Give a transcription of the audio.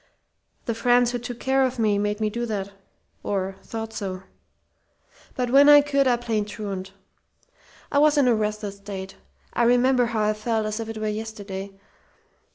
The friends who took care of me made me do that ... or thought so. "But when I could, I played truant. I was in a restless state. I remember how I felt as if it were yesterday.